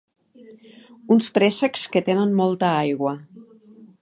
Uns préssecs que tenen molta aigua.